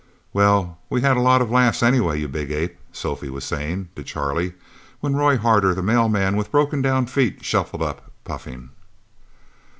"Well, we had a lot of laughs, anyway, you big ape!" Sophia was saying to Charlie, when Roy Harder, the mailman with broken down feet, shuffled up, puffing.